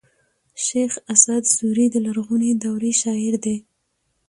شېخ اسعد سوري د لرغوني دورې شاعر دﺉ.